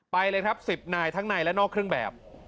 ไปเลยครับ๑๐นายทั้งในและนอกเครื่องแบบ